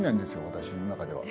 私の中では。